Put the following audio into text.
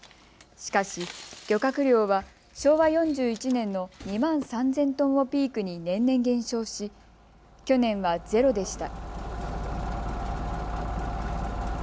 しかし、漁獲量は昭和４１年の２万３０００トンをピークに年々減少し、去年はゼロでした。